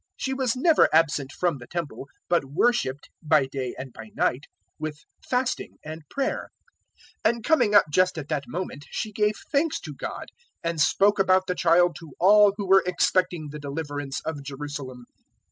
She was never absent from the Temple, but worshipped, by day and by night, with fasting and prayer. 002:038 And coming up just at that moment, she gave thanks to God, and spoke about the child to all who were expecting the deliverance of Jerusalem.